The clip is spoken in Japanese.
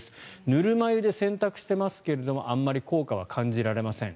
ぬるま湯で洗濯していますがあんまり効果は感じられません。